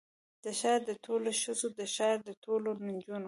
د ښار د ټولو ښځو، د ښار د ټولو نجونو